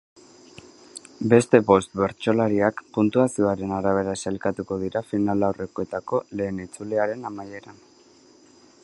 Beste bost bertsolariak puntuazioaren arabera sailkatuko dira finalaurrekoetako lehen itzuliaren amaieran.